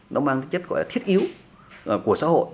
nó mang cái chất gọi là thiết yếu của xã hội